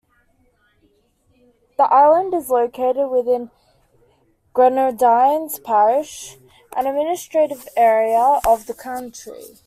The island is located within Grenadines Parish, an administrative area of the country.